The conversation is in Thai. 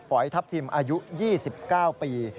อยทัพทิมอายุ๒๙ปี